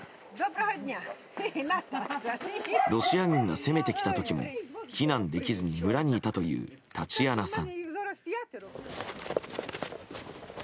ロシア軍が攻めてきた時も避難できずに村にいたというタチアナさん。